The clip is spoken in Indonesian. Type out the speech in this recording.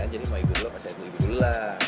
jadi mau ibu dulu pas ibu ibu dulu lah